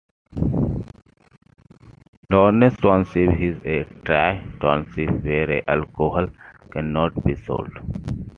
Lawrence Township is a dry township where alcohol cannot be sold.